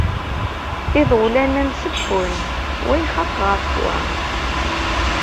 Iḍulan-a msewwen, wa ixaq ɣef-wa.